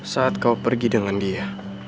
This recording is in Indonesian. saat kau pergi dengan dia